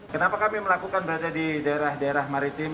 kenapa kami melakukan berada di daerah daerah maritim